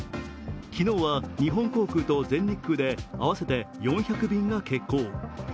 昨日は日本航空と全日空で合わせて４００便が欠航。